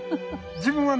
自分はね